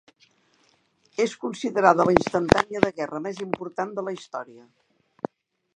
És considerada la instantània de guerra més important de la història.